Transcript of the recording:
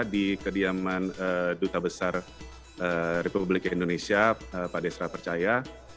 di kediaman duta besar republik indonesia pak desra percaya